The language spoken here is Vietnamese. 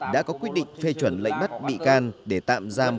đã có quyết định phê chuẩn lệnh bắt bị can để tạm giam